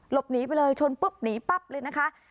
หลบหนีไปเลยชนปุ๊บหนีปั๊บเลยนะคะ